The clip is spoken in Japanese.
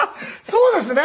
そうですね。